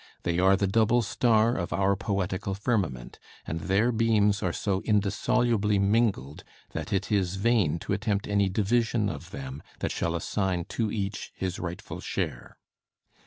They are the double star of our poetical firmament, and their beams are so indissolubly mingled that it is vain to attempt any division of them that shall assign to each his rightful share."